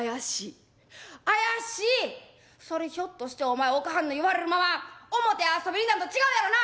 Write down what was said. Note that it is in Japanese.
それひょっとしてお前お母はんの言われるまま表遊びに行ったんと違うやろな！」。